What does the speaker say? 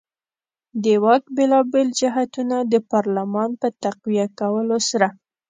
د واک بېلابېل جهتونه د پارلمان په تقویه کولو سره.